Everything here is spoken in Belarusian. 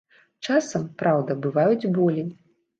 Часам, праўда, бываюць болі.